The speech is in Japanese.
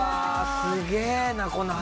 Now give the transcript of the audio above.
すげえなこの話。